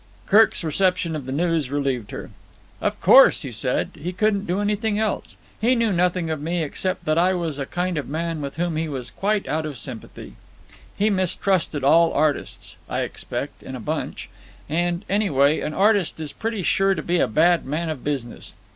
Kirk's reception of the news relieved her. "Of course," he said. "He couldn't do anything else. He knew nothing of me except that I was a kind of man with whom he was quite out of sympathy. He mistrusted all artists, I expect, in a bunch. And, anyway, an artist is pretty sure to be a bad man of business.